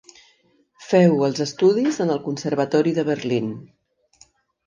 Féu els estudis en el Conservatori de Berlín.